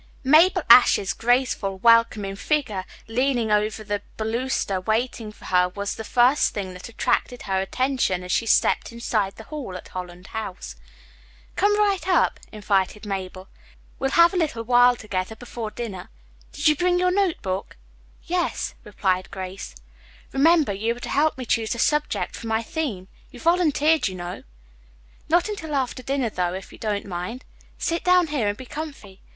Mabel Ashe's graceful, welcoming figure leaning over the baluster waiting for her was the first thing that attracted her attention as she stepped inside the hall at Holland House. "Come right up," invited Mabel. "We'll have a little while together before dinner. Did you bring your notebook?" "Yes," replied Grace. "Remember, you are to help me choose a subject for my theme. You volunteered, you know." "Not until after dinner, though, if you don't mind. Sit down here and be comfy.